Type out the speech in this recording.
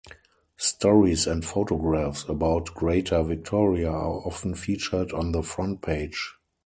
Stories and photographs about Greater Victoria are often featured on the front page.